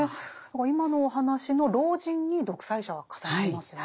今のお話の老人に独裁者が重なりますよね。